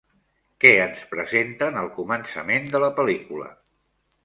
Què ens presenten al començament de la pel·lícula?